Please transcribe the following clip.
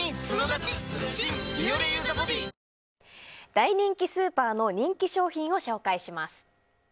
大人気スーパーの人気商品を紹介します。